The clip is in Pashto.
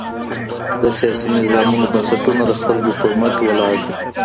د سياسي نظامونو بنسټونه د خلګو پر مټ ولاړ دي.